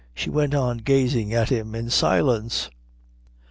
She went on gazing at him in silence.